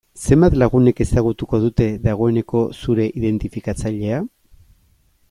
Zenbat lagunek ezagutuko dute, dagoeneko zure identifikatzailea?